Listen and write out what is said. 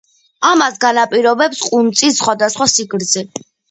ამას განაპირობებს ყუნწის სხვადასხვა სიგრძე.